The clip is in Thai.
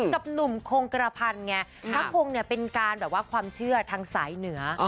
กับหนุ่มคงกระพันไงพระคงเนี่ยเป็นการแบบว่าความเชื่อทางสายเหนือ